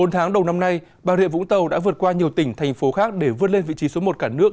bốn tháng đầu năm nay bà rịa vũng tàu đã vượt qua nhiều tỉnh thành phố khác để vươn lên vị trí số một cả nước